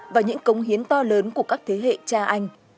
và những cống hiến to lớn của các thế hệ cha anh